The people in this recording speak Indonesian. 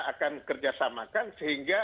akan kerjasamakan sehingga